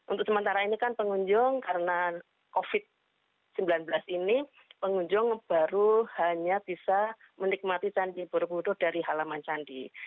untuk sementara ini kan pengunjung karena covid sembilan belas ini pengunjung baru hanya bisa menikmati candi borobudur dari halaman candi